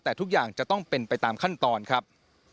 แต่ทุกอย่างจะต้องเป็นไปตามขั้นตอนครับ